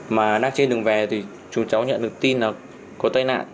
mà đang trên đường về thì chúng chó nhận được tin là có tai nạn